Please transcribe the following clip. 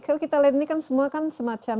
kalau kita lihat ini kan semua kan semacam